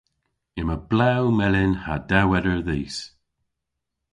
Yma blew melyn ha dewweder dhis.